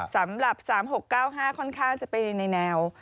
สำหรับ๓๖๙๕ค่อนข้างจะไปในแนว